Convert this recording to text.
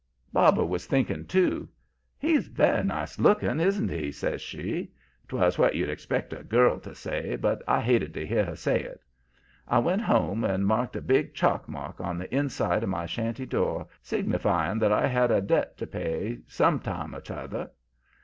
"Barbara was thinking, too. 'He's very nice looking, isn't he?' says she. 'Twas what you'd expect a girl to say, but I hated to hear her say it. I went home and marked a big chalk mark on the inside of my shanty door, signifying that I had a debt so pay some time or other.